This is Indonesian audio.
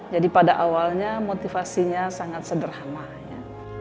jadi pada awalnya motivasinya sangat sederhana